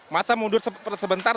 masa mundur sebentar